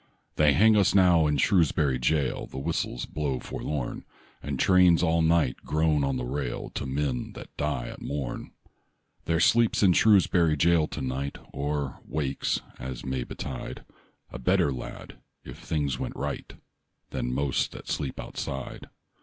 They hang us now in Shrewsbury jail: The whistles blow forlorn, And trains all night groan on the rail To men that die at morn. There sleeps in Shrewsbury jail to night, Or wakes, as may betide, A better lad, if things went right, Than most that sleep outside.